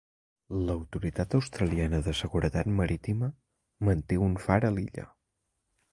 L'autoritat australiana de seguretat marítima manté un far a l'illa.